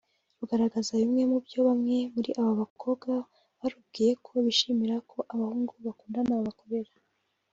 rugaragaza bimwe mu byo bamwe muri abo bakobwa barubwiye ko bishimira ko abahungu bakundana babakorera